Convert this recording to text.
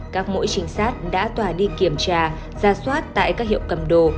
các mỗi trình sát đã tòa đi kiểm tra ra soát tại các hiệu cầm đồ